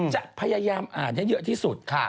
จะพยายามอ่านให้เยอะที่สุด